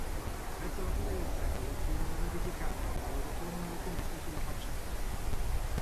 Verso la fine del secolo furono modificate nella loro forma le finestre sulla facciata.